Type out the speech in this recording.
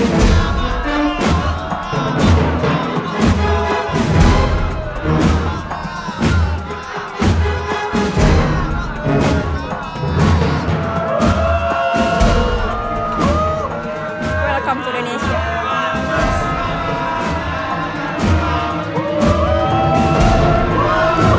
selamat datang di indonesia